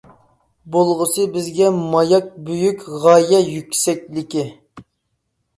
بولغۇسى بىزگە ماياك بۈيۈك غايە يۈكسەكلىكى.